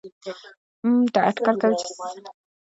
م.م اټکل کوي چې سږ کال به ډېر افغانان هېواد ته راستانه شي.